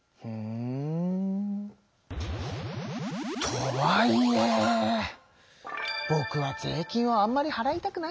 とはいえぼくは税金をあんまりはらいたくないなあ。